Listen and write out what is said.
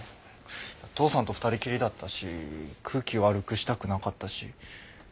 父さんと二人きりだったし空気悪くしたくなかったし。